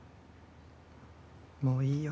もういいよ。